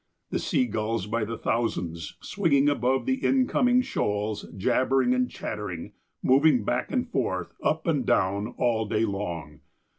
The sea gulls, by the thousands, swinging above the incoming shoals, jabbering and chattering, moving back and forth, up and down, all the day long.